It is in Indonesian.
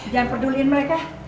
jangan peduliin mereka